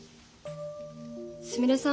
すみれさん